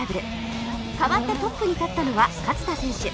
代わってトップに立ったのは勝田選手